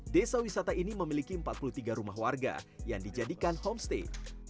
desa wisata ini memiliki empat puluh tiga rumah warga yang dijadikan homestay